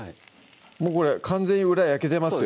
もうこれ完全に裏焼けてますよ